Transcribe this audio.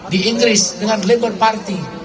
di inggris dengan legon party